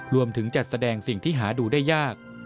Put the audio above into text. รวมถึงจัดแสดงสิ่งที่หาดูได้ยาก